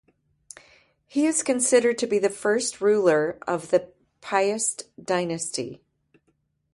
He is considered to be the first ruler of the Piast dynasty.